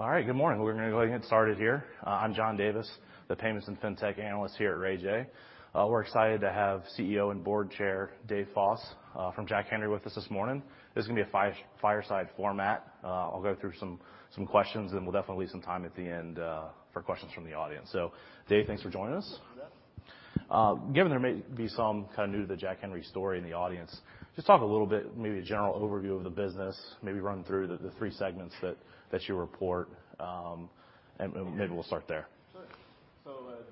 All right. Good morning. We're gonna go ahead and get started here. I'm John Davis, the payments and fintech analyst here at Ray J. We're excited to have CEO and Board Chair, Dave Foss, from Jack Henry with us this morning. This is gonna be a fireside format. I'll go through some questions, and we'll definitely leave some time at the end for questions from the audience. Dave, thanks for joining us. Thanks for that. Given there may be some kinda new to the Jack Henry story in the audience, just talk a little bit, maybe a general overview of the business. Maybe run through the three segments that you report, and maybe we'll start there. Sure.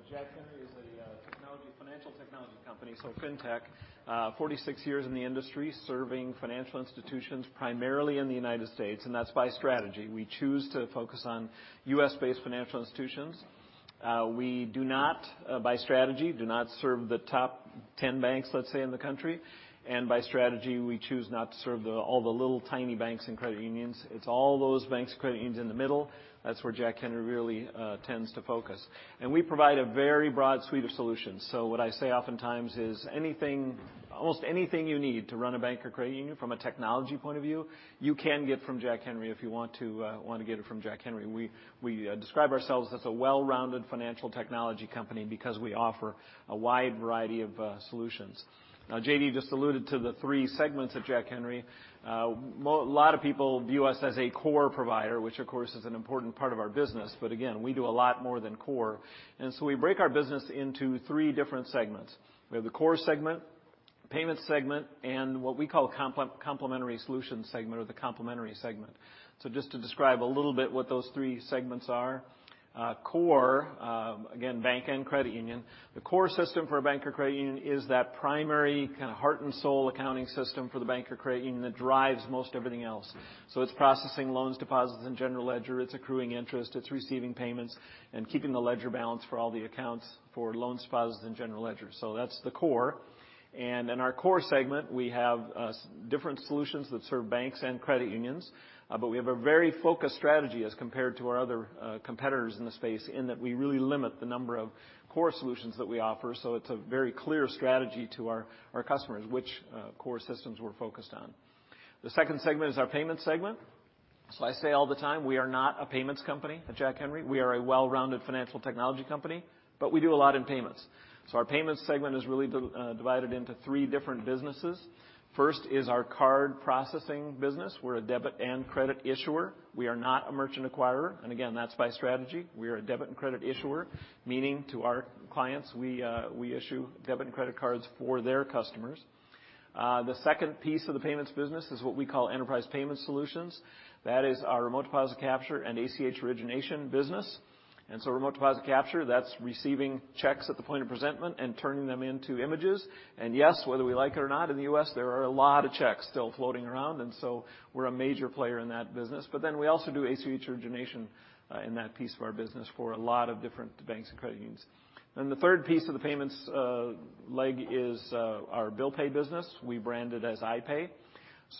Jack Henry is a financial technology company, so fintech. 46 years in the industry serving financial institutions primarily in the United States, and that's by strategy. We choose to focus on U.S.-based financial institutions. We do not, by strategy, do not serve the top 10 banks, let's say, in the country. By strategy, we choose not to serve all the little tiny banks and credit unions. It's all those banks and credit unions in the middle. That's where Jack Henry really tends to focus. We provide a very broad suite of solutions. What I say oftentimes is anything, almost anything you need to run a bank or credit union from a technology point of view, you can get from Jack Henry if you want to, wanna get it from Jack Henry. We describe ourselves as a well-rounded financial technology company because we offer a wide variety of solutions. J.D. just alluded to the three segments of Jack Henry. A lot of people view us as a core provider, which of course is an important part of our business, but again, we do a lot more than core. We break our business into three different segments. We have the core segment, payments segment, and what we call complementary solutions segment or the complementary segment. Just to describe a little bit what those three segments are. Core, again, bank and credit union. The core system for a bank or credit union is that primary kind of heart and soul accounting system for the bank or credit union that drives most everything else. It's processing loans, deposits, and general ledger. It's accruing interest. It's receiving payments and keeping the ledger balance for all the accounts for loans, deposits, and general ledgers. That's the core. In our core segment, we have different solutions that serve banks and credit unions, but we have a very focused strategy as compared to our other competitors in the space in that we really limit the number of core solutions that we offer, it's a very clear strategy to our customers which core systems we're focused on. The second segment is our payment segment. I say all the time, we are not a payments company at Jack Henry. We are a well-rounded financial technology company, but we do a lot in payments. Our payments segment is really divided into three different businesses. First is our card processing business. We're a debit and credit issuer. We are not a merchant acquirer, and again, that's by strategy. We are a debit and credit issuer, meaning to our clients, we issue debit and credit cards for their customers. The second piece of the payments business is what we call Enterprise Payment Solutions. That is our remote deposit capture and ACH origination business. Remote deposit capture, that's receiving checks at the point of presentment and turning them into images. Yes, whether we like it or not, in the U.S., there are a lot of checks still floating around, and so we're a major player in that business. We also do ACH origination in that piece of our business for a lot of different banks and credit unions. The third piece of the payments leg is our bill pay business. We brand it as iPay.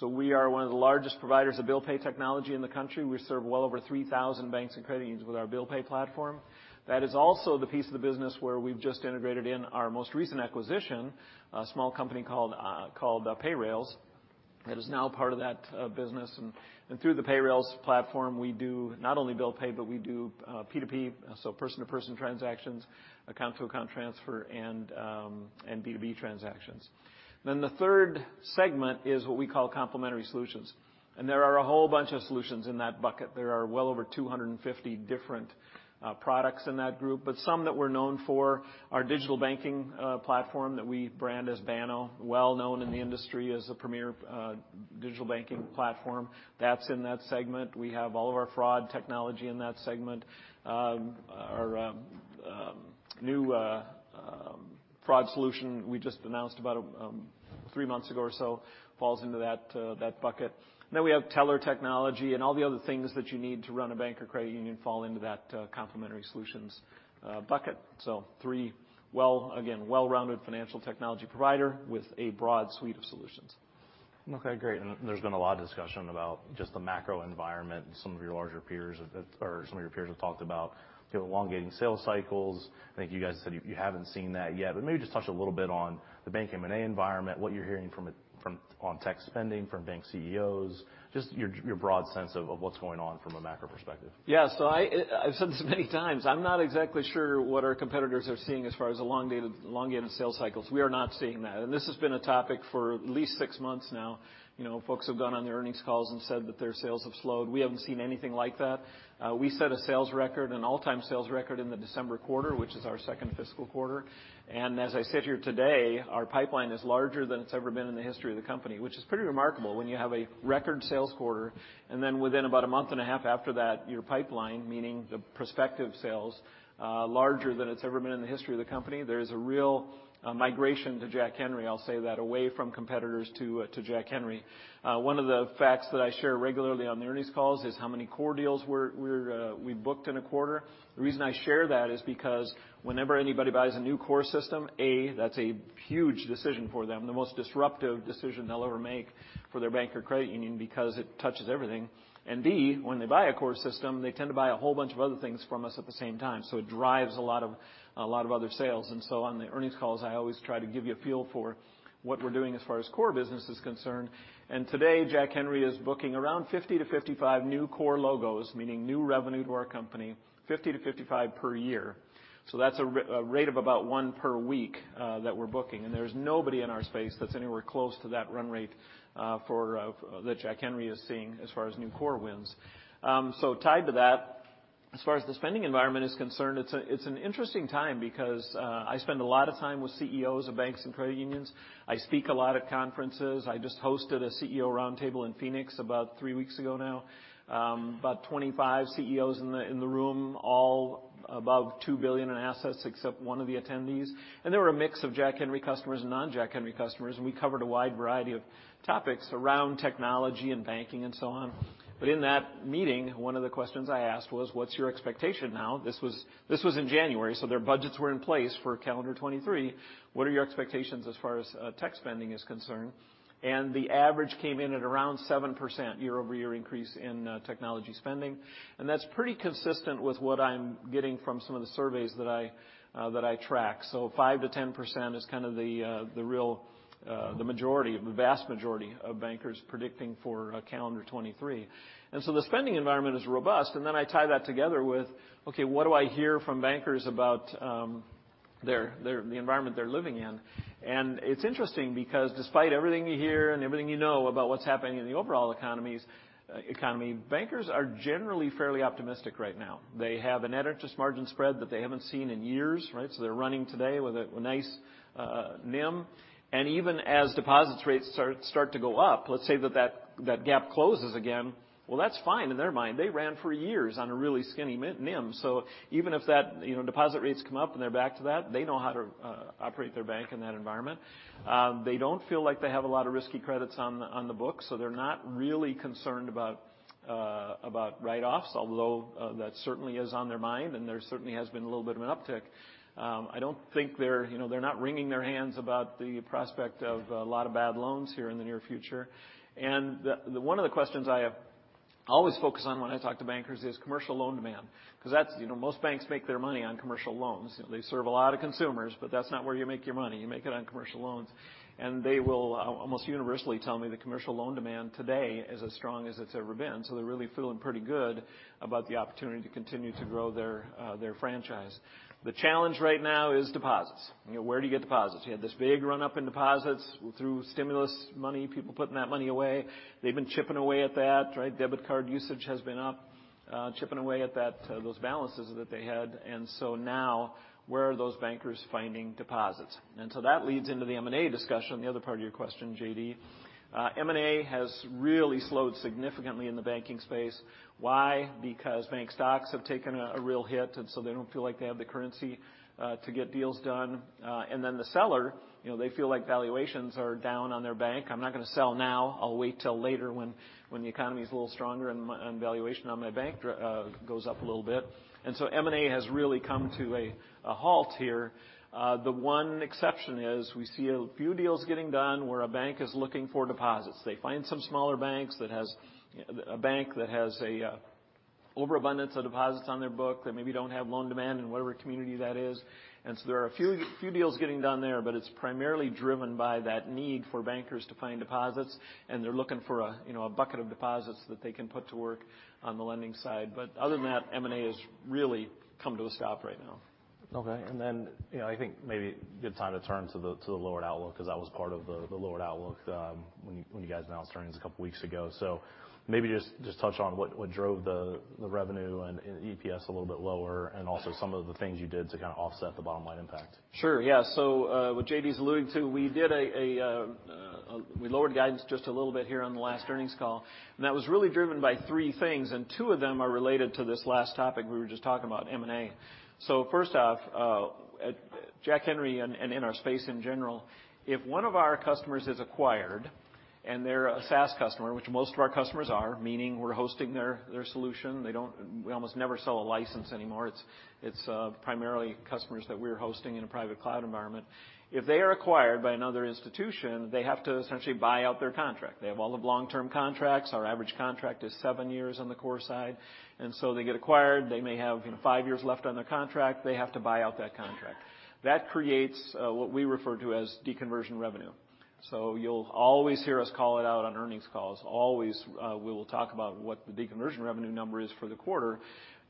We are one of the largest providers of bill pay technology in the country. We serve well over 3,000 banks and credit unions with our bill pay platform. That is also the piece of the business where we've just integrated in our most recent acquisition, a small company called Payrailz. That is now part of that business. Through the Payrailz platform, we do not only bill pay, but we do P2P, so person-to-person transactions, account-to-account transfer, and B2B transactions. The third segment is what we call complementary solutions. There are a whole bunch of solutions in that bucket. There are well over 250 different products in that group, but some that we're known for, our digital banking platform that we brand as Banno, well known in the industry as a premier digital banking platform. That's in that segment. We have all of our fraud technology in that segment. Our new fraud solution we just announced about three months ago or so falls into that bucket. We have teller technology and all the other things that you need to run a bank or credit union fall into that complementary solutions bucket. Three well, again, well-rounded financial technology provider with a broad suite of solutions. Okay. Great. There's been a lot of discussion about just the macro environment and some of your larger peers have, or some of your peers have talked about, you know, elongating sales cycles. I think you guys said you haven't seen that yet. Maybe just touch a little bit on the bank M&A environment, what you're hearing from on tech spending from bank CEOs, just your broad sense of what's going on from a macro perspective. I've said this many times, I'm not exactly sure what our competitors are seeing as far as elongated sales cycles. We are not seeing that. This has been a topic for at least six months now. You know, folks have gone on their earnings calls and said that their sales have slowed. We haven't seen anything like that. We set a sales record, an all-time sales record in the December quarter, which is our second fiscal quarter. As I sit here today, our pipeline is larger than it's ever been in the history of the company, which is pretty remarkable when you have a record sales quarter, and then within about a month and a half after that, your pipeline, meaning the prospective sales, larger than it's ever been in the history of the company. There's a real migration to Jack Henry, I'll say that, away from competitors to Jack Henry. One of the facts that I share regularly on the earnings calls is how many core deals we booked in a quarter. The reason I share that is because whenever anybody buys a new core system, A, that's a huge decision for them, the most disruptive decision they'll ever make for their bank or credit union because it touches everything. B, when they buy a core system, they tend to buy a whole bunch of other things from us at the same time, so it drives a lot of other sales. On the earnings calls, I always try to give you a feel for what we're doing as far as core business is concerned. Today, Jack Henry is booking around 50-55 new core logos, meaning new revenue to our company, 50-55 per year. That's a rate of about one per week that we're booking, and there's nobody in our space that's anywhere close to that run rate for, that Jack Henry is seeing as far as new core wins. Tied to that, as far as the spending environment is concerned, it's an interesting time because I spend a lot of time with CEOs of banks and credit unions. I speak a lot at conferences. I just hosted a CEO roundtable in Phoenix about three weeks ago now. About 25 CEOs in the room, all above $2 billion in assets, except one of the attendees. They were a mix of Jack Henry customers and non-Jack Henry customers, and we covered a wide variety of topics around technology and banking and so on. In that meeting, one of the questions I asked was: what's your expectation now? This was in January, so their budgets were in place for calendar 2023. What are your expectations as far as tech spending is concerned? The average came in at around 7% year-over-year increase in technology spending. That's pretty consistent with what I'm getting from some of the surveys that I track. 5%-10% is kinda the real, the majority, the vast majority of bankers predicting for calendar 2023. The spending environment is robust, and then I tie that together with, Okay, what do I hear from bankers about their, the environment they're living in? It's interesting because despite everything you hear and everything you know about what's happening in the overall economy, bankers are generally fairly optimistic right now. They have a net interest margin spread that they haven't seen in years, right? They're running today with a nice NIM. Even as deposits rates start to go up, let's say that gap closes again, well, that's fine in their mind. They ran for years on a really skinny NIM. Even if that, you know, deposit rates come up and they're back to that, they know how to operate their bank in that environment. They don't feel like they have a lot of risky credits on the, on the books, so they're not really concerned about write-offs, although that certainly is on their mind, and there certainly has been a little bit of an uptick. I don't think they're, you know, they're not wringing their hands about the prospect of a lot of bad loans here in the near future. One of the questions I always focus on when I talk to bankers is commercial loan demand, 'cause that's, you know, most banks make their money on commercial loans. They serve a lot of consumers, but that's not where you make your money. You make it on commercial loans. They will almost universally tell me the commercial loan demand today is as strong as it's ever been, so they're really feeling pretty good about the opportunity to continue to grow their franchise. The challenge right now is deposits. You know, where do you get deposits? You had this big run-up in deposits through stimulus money, people putting that money away. They've been chipping away at that, right? Debit card usage has been up, chipping away at that, those balances that they had. Now, where are those bankers finding deposits? That leads into the M&A discussion, the other part of your question, J.D., M&A has really slowed significantly in the banking space. Why? Because bank stocks have taken a real hit, and so they don't feel like they have the currency to get deals done. Then the seller, you know, they feel like valuations are down on their bank. I'm not gonna sell now. I'll wait till later when the economy's a little stronger and my, and valuation on my bank goes up a little bit. M&A has really come to a halt here. The one exception is we see a few deals getting done where a bank is looking for deposits. They find some smaller banks that has, a bank that has a overabundance of deposits on their book. They maybe don't have loan demand in whatever community that is. There are a few deals getting done there, but it's primarily driven by that need for bankers to find deposits, and they're looking for a, you know, a bucket of deposits that they can put to work on the lending side. Other than that, M&A has really come to a stop right now. You know, I think maybe good time to turn to the, to the lowered outlook, 'cause that was part of the lowered outlook when you guys announced earnings a couple weeks ago. Just touch on what drove the revenue and EPS a little bit lower and also some of the things you did to kinda offset the bottom line impact. Sure, yeah. What J.D.'s alluding to, we did, we lowered guidance just a little bit here on the last earnings call. That was really driven by three things. Two of them are related to this last topic we were just talking about, M&A. First off, at Jack Henry, and in our space in general, if one of our customers is acquired and they're a SaaS customer, which most of our customers are, meaning we're hosting their solution, we almost never sell a license anymore. It's primarily customers that we're hosting in a private cloud environment. If they are acquired by another institution, they have to essentially buy out their contract. They have all of long-term contracts. Our average contract is seven years on the core side. They get acquired, they may have, you know, five years left on their contract. They have to buy out that contract. That creates what we refer to as deconversion revenue. You'll always hear us call it out on earnings calls. Always, we will talk about what the deconversion revenue number is for the quarter.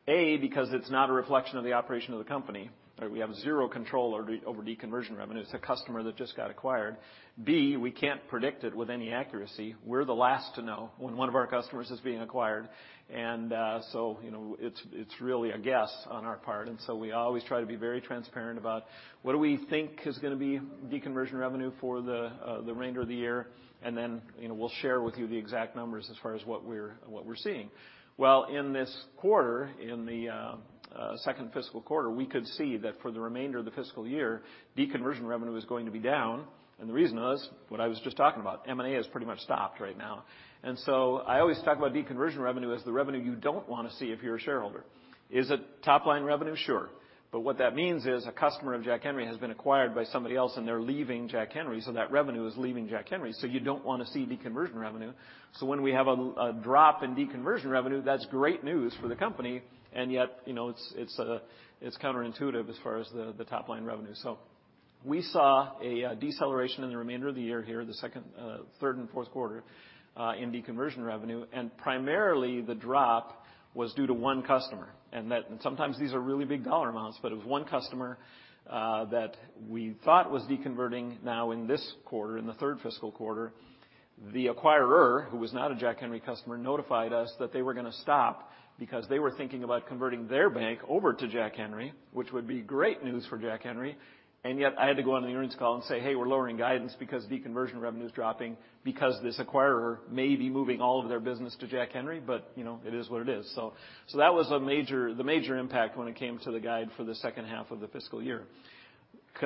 A, because it's not a reflection of the operation of the company. We have zero control over deconversion revenue. It's a customer that just got acquired. B, we can't predict it with any accuracy. We're the last to know when one of our customers is being acquired. So, you know, it's really a guess on our part. We always try to be very transparent about what do we think is going to be deconversion revenue for the remainder of the year, and then, you know, we'll share with you the exact numbers as far as what we're seeing. Well, in this quarter, in the second fiscal quarter, we could see that for the remainder of the fiscal year, deconversion revenue is going to be down, and the reason is what I was just talking about. M&A has pretty much stopped right now. I always talk about deconversion revenue as the revenue you don't want to see if you're a shareholder. Is it top-line revenue? Sure. What that means is a customer of Jack Henry has been acquired by somebody else, and they're leaving Jack Henry, so that revenue is leaving Jack Henry, so you don't wanna see deconversion revenue. When we have a drop in deconversion revenue, that's great news for the company, and yet, you know, it's counterintuitive as far as the top-line revenue. We saw a deceleration in the remainder of the year here, the second, third and fourth quarter, in deconversion revenue. Primarily, the drop was due to one customer. Sometimes these are really big dollar amounts. But if one customer that we thought was deconverting now in this quarter, in the third fiscal quarter, the acquirer, who was not a Jack Henry customer, notified us that they were gonna stop because they were thinking about converting their bank over to Jack Henry, which would be great news for Jack Henry. Yet I had to go on the earnings call and say, "Hey, we're lowering guidance because deconversion revenue is dropping because this acquirer may be moving all of their business to Jack Henry." You know, it is what it is. So that was the major impact when it came to the guide for the second half of the fiscal year.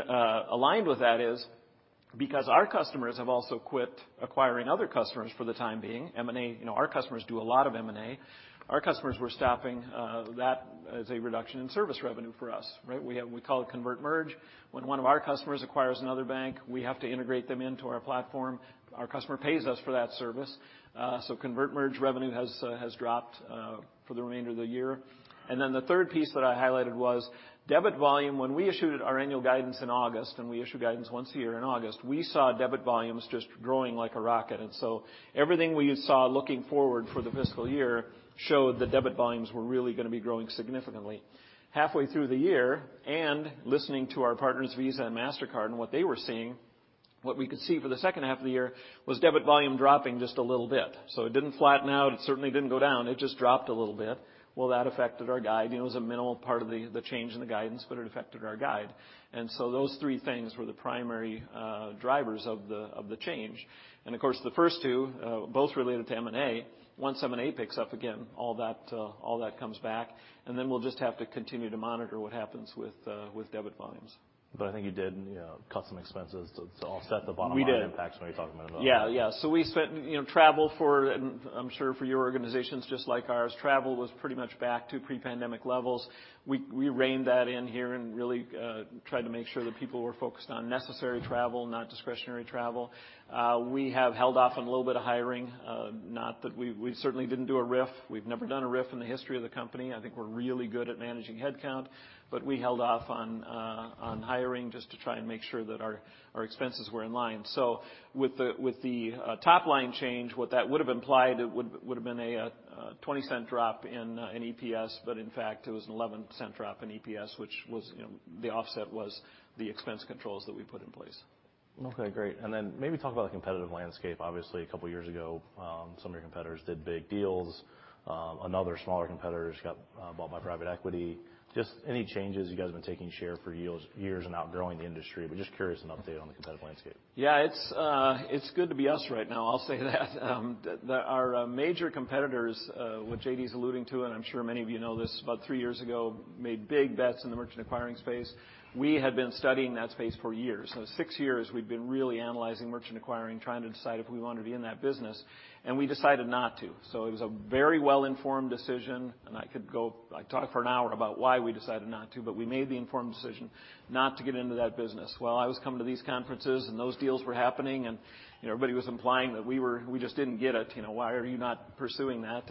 Aligned with that is because our customers have also quit acquiring other customers for the time being, M&A, you know, our customers do a lot of M&A. Our customers were stopping that as a reduction in service revenue for us, right? We call it convert merge. When one of our customers acquires another bank, we have to integrate them into our platform. Our customer pays us for that service. Convert merge revenue has dropped for the remainder of the year. The third piece that I highlighted was debit volume. When we issued our annual guidance in August, and we issue guidance once a year in August, we saw debit volumes just growing like a rocket. Everything we saw looking forward for the fiscal year showed the debit volumes were really gonna be growing significantly. Halfway through the year and listening to our partners, Visa and Mastercard, and what they were seeing, what we could see for the second half of the year was debit volume dropping just a little bit. It didn't flatten out. It certainly didn't go down. It just dropped a little bit. That affected our guide. You know, it was a minimal part of the change in the guidance, but it affected our guide. Those three things were the primary drivers of the change. Of course, the first two both related to M&A. Once M&A picks up again, all that, all that comes back, and then we'll just have to continue to monitor what happens with debit volumes. I think you did, you know, cut some expenses to offset the bottom line- We did.... impact when you're talking about it. Yeah. Yeah. We spent, you know, I'm sure for your organizations, just like ours, travel was pretty much back to pre-pandemic levels. We reigned that in here and really tried to make sure that people were focused on necessary travel, not discretionary travel. We have held off on a little bit of hiring. We certainly didn't do a RIF. We've never done a RIF in the history of the company. I think we're really good at managing headcount, but we held off on hiring just to try and make sure that our expenses were in line. With the top-line change, what that would have implied, it would have been a $0.20 drop in EPS, but in fact, it was an $0.11 drop in EPS, which was, you know, the offset was the expense controls that we put in place. Great. Maybe talk about the competitive landscape. Obviously, a couple years ago, some of your competitors did big deals. Another smaller competitor just got bought by private equity. Any changes you guys have been taking share for years and outgrowing the industry. We're just curious an update on the competitive landscape. Yeah, it's good to be us right now, I'll say that. The, our major competitors, what J.D.'s alluding to, and I'm sure many of you know this, about three years ago, made big bets in the merchant acquiring space. We had been studying that space for years. Six years, we've been really analyzing merchant acquiring, trying to decide if we wanted to be in that business, and we decided not to. It was a very well-informed decision. I could go... I'd talk for an hour about why we decided not to, but we made the informed decision not to get into that business. While I was coming to these conferences and those deals were happening and, you know, everybody was implying that we just didn't get it, you know? Why are you not pursuing that?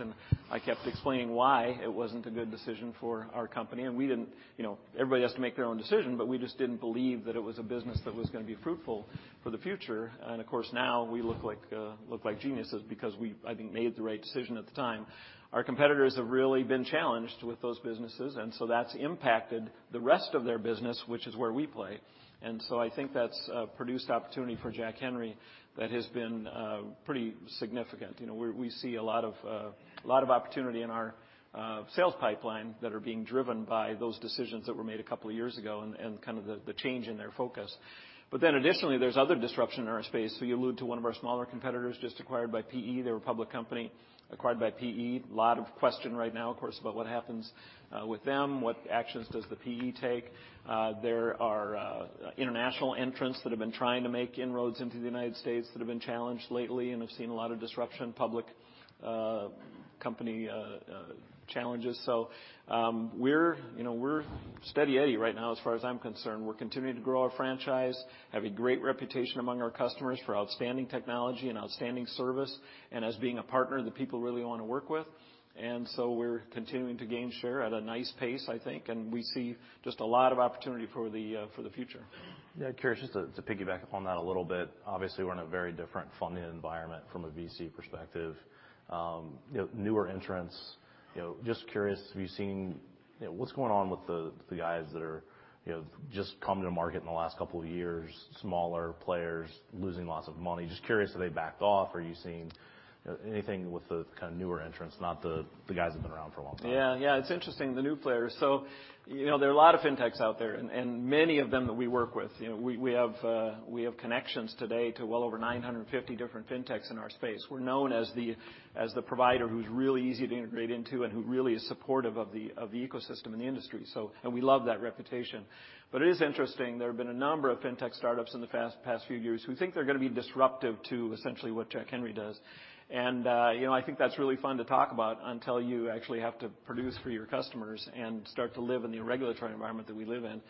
I kept explaining why it wasn't a good decision for our company. You know, everybody has to make their own decision, but we just didn't believe that it was a business that was gonna be fruitful for the future. Of course, now we look like geniuses because we, I think, made the right decision at the time. Our competitors have really been challenged with those businesses, and so that's impacted the rest of their business, which is where we play. I think that's produced opportunity for Jack Henry that has been pretty significant. You know, we see a lot of, a lot of opportunity in our sales pipeline that are being driven by those decisions that were made a couple of years ago and kind of the change in their focus. Additionally, there's other disruption in our space. You allude to one of our smaller competitors just acquired by PE. They were a public company acquired by PE. A lot of question right now, of course, about what happens with them. What actions does the PE take? There are international entrants that have been trying to make inroads into the United States that have been challenged lately and have seen a lot of disruption, public company challenges. We're, you know, we're steady Eddie right now as far as I'm concerned. We're continuing to grow our franchise, have a great reputation among our customers for outstanding technology and outstanding service, and as being a partner that people really wanna work with. We're continuing to gain share at a nice pace, I think, and we see just a lot of opportunity for the for the future. Yeah. Curious just to piggyback upon that a little bit. Obviously, we're in a very different funding environment from a VC perspective. You know, newer entrants, you know, just curious, have you seen what's going on with the guys that are, you know, just coming to market in the last couple of years, smaller players losing lots of money? Just curious, have they backed off? Are you seeing anything with the kind of newer entrants, not the guys who've been around for a long time? Yeah. Yeah. It's interesting, the new players. You know, there are a lot of fintechs out there, and many of them that we work with. You know, we have connections today to well over 950 different fintechs in our space. We're known as the provider who's really easy to integrate into and who really is supportive of the ecosystem and the industry. We love that reputation. It is interesting, there have been a number of fintech startups in the past few years who think they're gonna be disruptive to essentially what Jack Henry does. You know, I think that's really fun to talk about until you actually have to produce for your customers and start to live in the regulatory environment that we live in.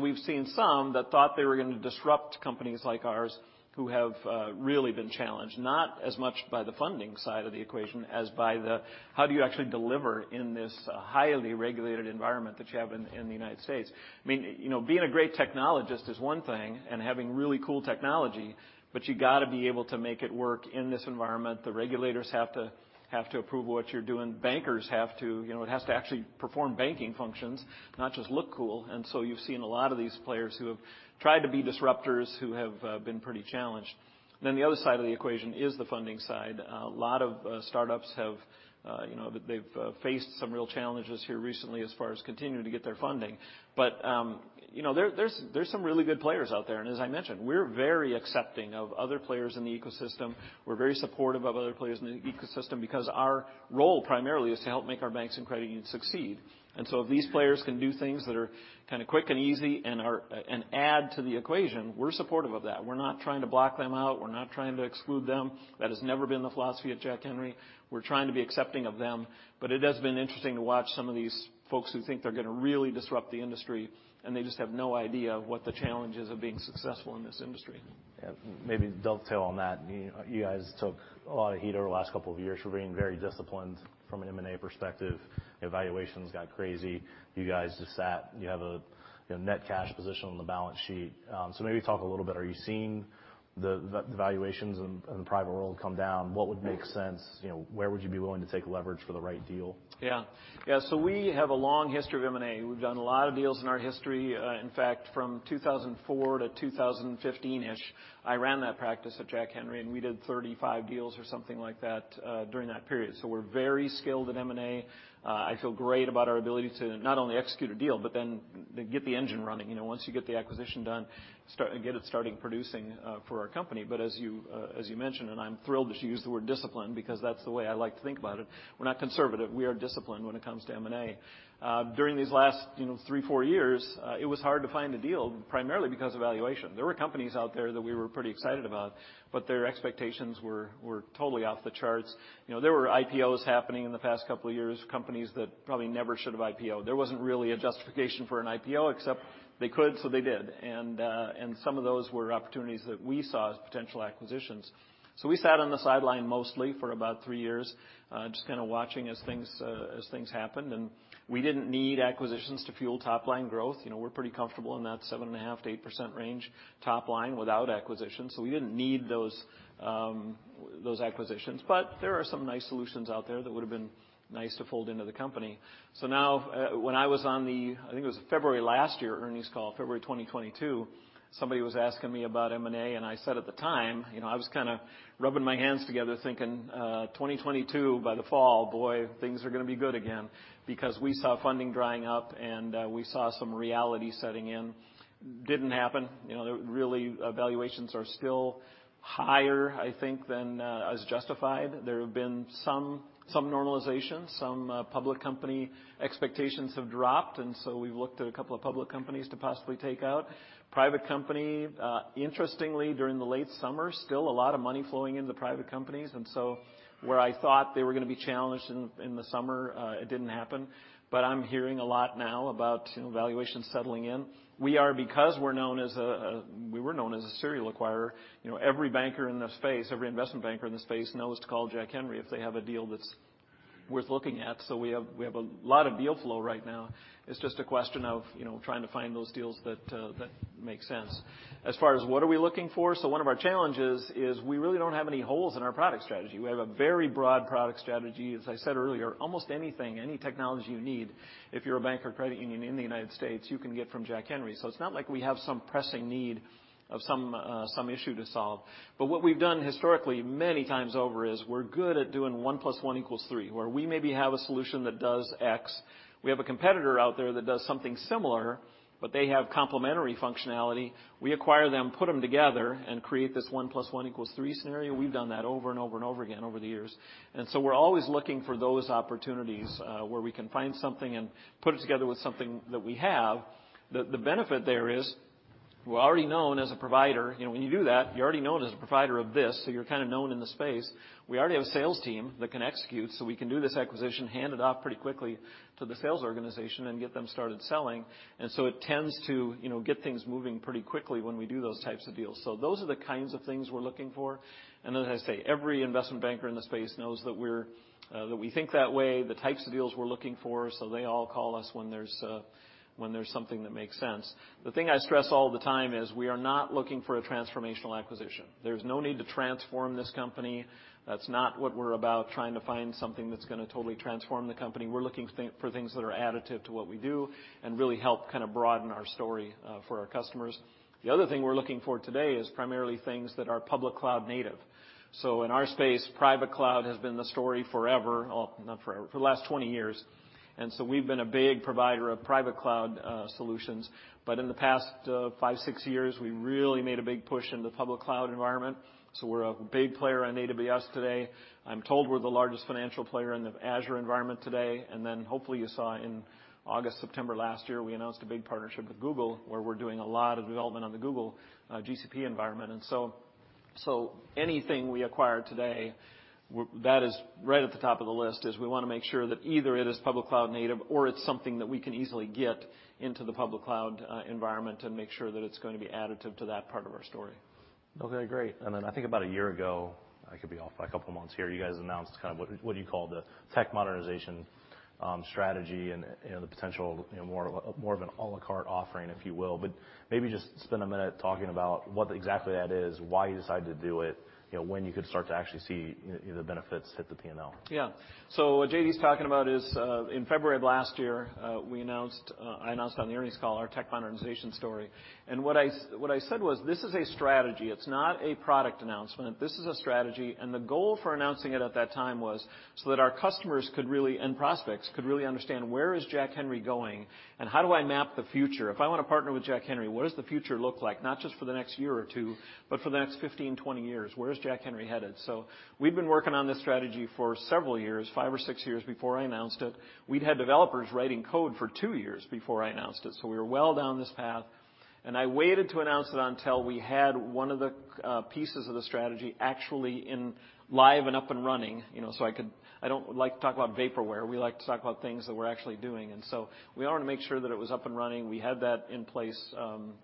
We've seen some that thought they were gonna disrupt companies like ours who have really been challenged, not as much by the funding side of the equation as by the how do you actually deliver in this highly regulated environment that you have in the United States. I mean, you know, being a great technologist is one thing and having really cool technology, but you gotta be able to make it work in this environment. The regulators have to approve what you're doing. You know, it has to actually perform banking functions, not just look cool. You've seen a lot of these players who have tried to be disruptors, who have been pretty challenged. The other side of the equation is the funding side. A lot of startups have, you know, they've faced some real challenges here recently as far as continuing to get their funding. You know, there's some really good players out there. As I mentioned, we're very accepting of other players in the ecosystem. We're very supportive of other players in the ecosystem because our role primarily is to help make our banks and credit unions succeed. If these players can do things that are kinda quick and easy and add to the equation, we're supportive of that. We're not trying to block them out. We're not trying to exclude them. That has never been the philosophy at Jack Henry. We're trying to be accepting of them. It has been interesting to watch some of these folks who think they're gonna really disrupt the industry, and they just have no idea of what the challenge is of being successful in this industry. Maybe dovetail on that. You guys took a lot of heat over the last couple of years for being very disciplined from an M&A perspective. Evaluations got crazy. You guys just sat. You have a net cash position on the balance sheet. Maybe talk a little bit, are you seeing the valuations in the private world come down? What would make sense? You know, where would you be willing to take leverage for the right deal? Yeah. Yeah, we have a long history of M&A. We've done a lot of deals in our history. In fact, from 2004 to 2015-ish, I ran that practice at Jack Henry, we did 35 deals or something like that during that period. We're very skilled at M&A. I feel great about our ability to not only execute a deal but then get the engine running. You know, once you get the acquisition done, get it starting producing for our company. As you, as you mentioned, I'm thrilled that you used the word discipline because that's the way I like to think about it. We're not conservative. We are disciplined when it comes to M&A. During these last, you know, three, four years, it was hard to find a deal primarily because of valuation. There were companies out there that we were pretty excited about, but their expectations were totally off the charts. You know, there were IPOs happening in the past couple of years, companies that probably never should have IPO'd. There wasn't really a justification for an IPO except they could, so they did. Some of those were opportunities that we saw as potential acquisitions. We sat on the sideline mostly for about three years, just kinda watching as things, as things happened, and we didn't need acquisitions to fuel top-line growth. You know, we're pretty comfortable in that 7.5%-8% range top line without acquisitions. We didn't need those acquisitions. There are some nice solutions out there that would have been nice to fold into the company. Now, when I was on the, I think it was February 2022, earnings call, February 2022, somebody was asking me about M&A, and I said at the time, you know, I was kinda rubbing my hands together thinking, 2022, by the fall, boy, things are gonna be good again because we saw funding drying up, and we saw some reality setting in. Didn't happen. You know, really, valuations are still higher, I think, than is justified. There have been some normalization. Some public company expectations have dropped. We've looked at a couple of public companies to possibly take out. Private company, interestingly, during the late summer, still a lot of money flowing into private companies. Where I thought they were gonna be challenged in the summer, it didn't happen. I'm hearing a lot now about, you know, valuations settling in. We are because we're known as a serial acquirer. You know, every banker in the space, every investment banker in the space knows to call Jack Henry if they have a deal that's worth looking at. We have a lot of deal flow right now. It's just a question of, you know, trying to find those deals that make sense. As far as what are we looking for, one of our challenges is we really don't have any holes in our product strategy. We have a very broad product strategy. As I said earlier, almost anything, any technology you need, if you're a bank or credit union in the United States, you can get from Jack Henry. It's not like we have some pressing need of some issue to solve. What we've done historically many times over is we're good at doing one plus one equals three, where we maybe have a solution that does X. We have a competitor out there that does something similar, but they have complementary functionality. We acquire them, put them together, and create this one plus one equals three scenario. We've done that over and over and over again over the years. We're always looking for those opportunities where we can find something and put it together with something that we have. The benefit there is, we're already known as a provider. You know, when you do that, you're already known as a provider of this, you're kinda known in the space. We already have a sales team that can execute, we can do this acquisition, hand it off pretty quickly to the sales organization and get them started selling. It tends to, you know, get things moving pretty quickly when we do those types of deals. Those are the kinds of things we're looking for. As I say, every investment banker in the space knows that we're that we think that way, the types of deals we're looking for, they all call us when there's something that makes sense. The thing I stress all the time is we are not looking for a transformational acquisition. There's no need to transform this company. That's not what we're about, trying to find something that's gonna totally transform the company. We're looking for things that are additive to what we do and really help kinda broaden our story for our customers. The other thing we're looking for today is primarily things that are public cloud native. In our space, private cloud has been the story forever. Well, not forever, for the last 20 years. We've been a big provider of private cloud solutions. In the past, five, six years, we really made a big push in the public cloud environment. We're a big player on AWS today. I'm told we're the largest financial player in the Azure environment today. Hopefully, you saw in August, September last year, we announced a big partnership with Google, where we're doing a lot of development on the Google, GCP environment. Anything we acquire today, that is right at the top of the list, is we wanna make sure that either it is public cloud native or it's something that we can easily get into the public cloud environment and make sure that it's going to be additive to that part of our story. Okay, great. I think about a year ago, I could be off by a couple months here, you guys announced kind of what you call the tech modernization strategy and, you know, the potential, you know, more of an à la carte offering, if you will. Maybe just spend a minute talking about what exactly that is, why you decided to do it, you know, when you could start to actually see, you know, the benefits hit the P&L. Yeah. What J.D.'s talking about is in February of last year, we announced, I announced on the earnings call our tech modernization story. What I said was, "This is a strategy. It's not a product announcement. This is a strategy." The goal for announcing it at that time was so that our customers could really, and prospects, could really understand, "Where is Jack Henry going, and how do I map the future? If I wanna partner with Jack Henry, what does the future look like, not just for the next year or two, but for the next 15, 20 years? Where is Jack Henry headed?" We've been working on this strategy for several years, five or six years before I announced it. We'd had developers writing code for two years before I announced it, we were well down this path. I waited to announce it until we had one of the pieces of the strategy actually in live and up and running. You know, I don't like to talk about vaporware. We like to talk about things that we're actually doing. We wanna make sure that it was up and running. We had that in place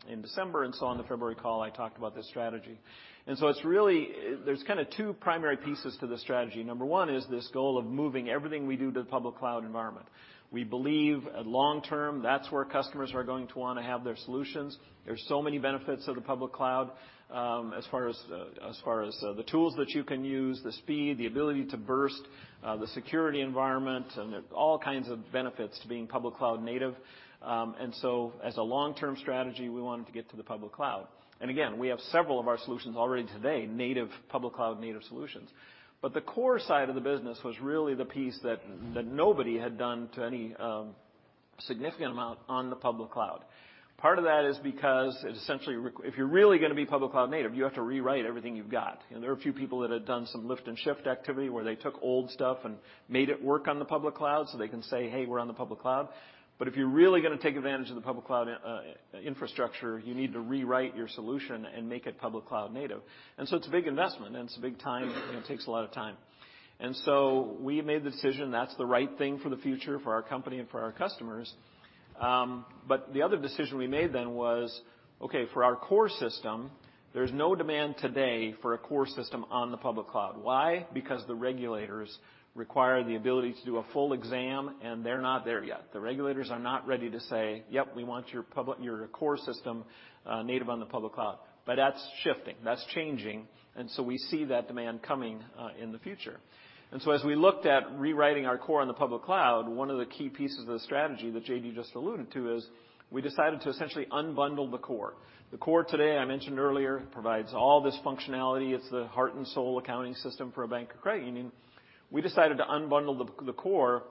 in December. On the February call, I talked about this strategy. It's really, there's kinda two primary pieces to this strategy. Number one is this goal of moving everything we do to the public cloud environment. We believe long term, that's where customers are going to wanna have their solutions. There's so many benefits to the public cloud, as far as the tools that you can use, the speed, the ability to burst, the security environment, and all kinds of benefits to being public cloud native. As a long-term strategy, we wanted to get to the public cloud. Again, we have several of our solutions already today, native public cloud native solutions. The core side of the business was really the piece that nobody had done to any significant amount on the public cloud. Part of that is because it essentially If you're really gonna be public cloud native, you have to rewrite everything you've got. There are a few people that had done some lift and shift activity, where they took old stuff and made it work on the public cloud, so they can say, "Hey, we're on the public cloud." If you're really gonna take advantage of the public cloud in infrastructure, you need to rewrite your solution and make it public cloud native. It's a big investment, and it's a big time, you know, it takes a lot of time. We made the decision that's the right thing for the future for our company and for our customers. The other decision we made then was, okay, for our core system, there's no demand today for a core system on the public cloud. Why? Because the regulators require the ability to do a full exam, and they're not there yet. The regulators are not ready to say, "Yep, we want your core system, public cloud native on the public cloud." That's shifting. That's changing. We see that demand coming in the future. As we looked at rewriting our core on the public cloud, one of the key pieces of the strategy that J.D. just alluded to is we decided to essentially unbundle the core. The core today, I mentioned earlier, provides all this functionality. It's the heart and soul accounting system for a bank or credit union. We decided to unbundle the core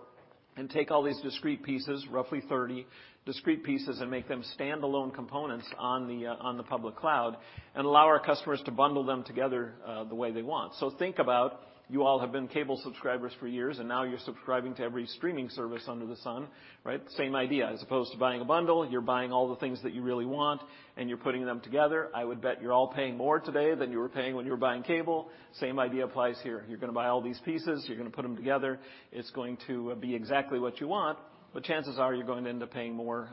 and take all these discrete pieces, roughly 30 discrete pieces, and make them standalone components on the public cloud, and allow our customers to bundle them together the way they want. Think about you all have been cable subscribers for years, and now you're subscribing to every streaming service under the sun, right? Same idea. As opposed to buying a bundle, you're buying all the things that you really want, and you're putting them together. I would bet you're all paying more today than you were paying when you were buying cable. Same idea applies here. You're gonna buy all these pieces. You're gonna put them together. It's going to be exactly what you want, but chances are you're going to end up paying more,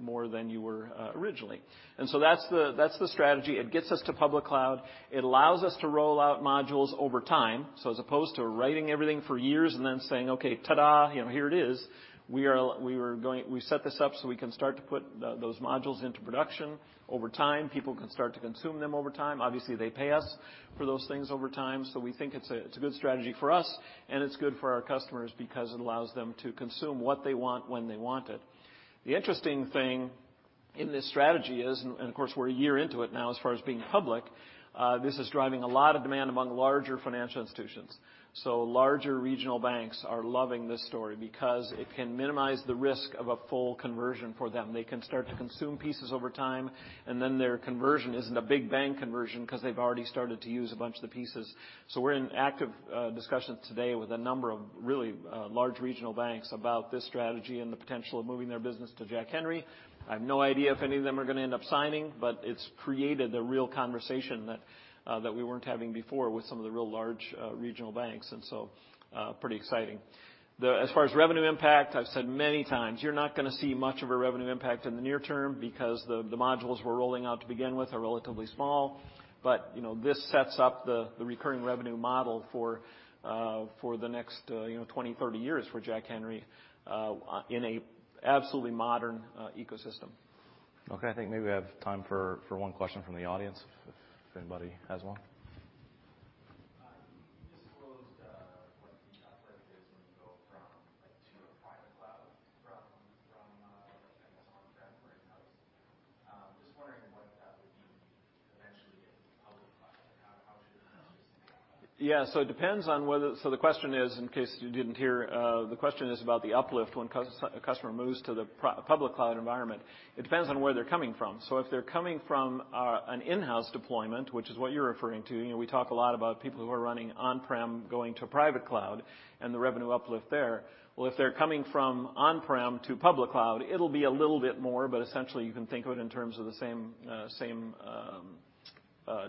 more than you were originally. That's the, that's the strategy. It gets us to public cloud. It allows us to roll out modules over time. As opposed to writing everything for years and then saying, "Okay, ta-da, you know, here it is," we set this up so we can start to put those modules into production over time. People can start to consume them over time. Obviously, they pay us for those things over time. We think it's a, it's a good strategy for us, and it's good for our customers because it allows them to consume what they want when they want it. The interesting thing in this strategy is, and of course we're a year into it now as far as being public, this is driving a lot of demand among larger financial institutions. Larger regional banks are loving this story because it can minimize the risk of a full conversion for them. They can start to consume pieces over time, and then their conversion isn't a big bang conversion 'cause they've already started to use a bunch of the pieces. We're in active discussions today with a number of really large regional banks about this strategy and the potential of moving their business to Jack Henry. I have no idea if any of them are gonna end up signing, but it's created a real conversation that we weren't having before with some of the real large regional banks. Pretty exciting. As far as revenue impact, I've said many times, you're not gonna see much of a revenue impact in the near term because the modules we're rolling out to begin with are relatively small. You know, this sets up the recurring revenue model for the next, you know, 20, 30 years for Jack Henry, in an absolutely modern ecosystem. Okay. I think maybe we have time for one question from the audience if anybody has one. You disclosed what the uplift is when you go from like to a private cloud from, like an on-prem or in-house. Just wondering what that would be eventually in public cloud. How, how should we think about that? Yeah. It depends on whether. The question is, in case you didn't hear, the question is about the uplift when customer moves to the public cloud environment. It depends on where they're coming from. If they're coming from an in-house deployment, which is what you're referring to, you know, we talk a lot about people who are running on-prem going to private cloud and the revenue uplift there. Well, if they're coming from on-prem to public cloud, it'll be a little bit more, but essentially you can think of it in terms of the same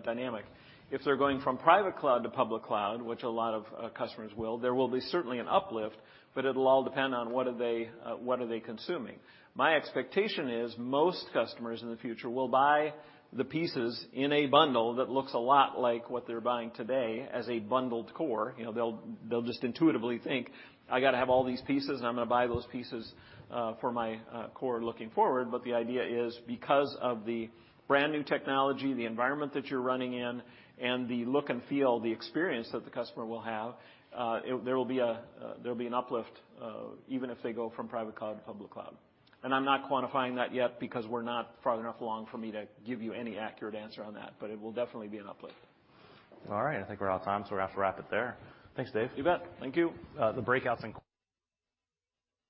dynamic. If they're going from private cloud to public cloud, which a lot of customers will, there will be certainly an uplift, but it'll all depend on what are they consuming. My expectation is most customers in the future will buy the pieces in a bundle that looks a lot like what they're buying today as a bundled core. You know, they'll just intuitively think, "I gotta have all these pieces, and I'm gonna buy those pieces, for my core looking forward." The idea is because of the brand-new technology, the environment that you're running in and the look and feel, the experience that the customer will have, there will be an uplift, even if they go from private cloud to public cloud. I'm not quantifying that yet because we're not far enough along for me to give you any accurate answer on that, but it will definitely be an uplift. All right. I think we're out of time. We're going to have to wrap up there. Thanks, Dave. You bet. Thank you. The breakout's in...